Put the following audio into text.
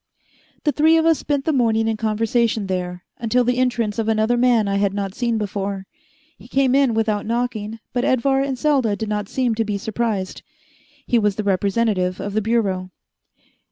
The three of us spent the morning in conversation there, until the entrance of another man I had not seen before. He came in without knocking, but Edvar and Selda did not seem to be surprised. He was the representative of the Bureau.